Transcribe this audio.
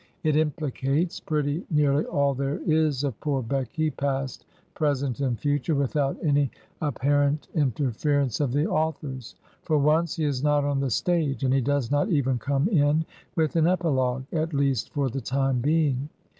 It implicates pretty nearly all there is of poor Becky, past, present, and future, without any apparent intep 197 Digitized by Google HEROINES OF FICTION ference of the author's. For once, he is not on the stage, and he does not even come in with an epilogue, at least for the time being.